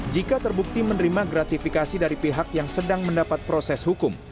jika terbukti menerima gratifikasi dari pihak yang sedang mendapat proses hukum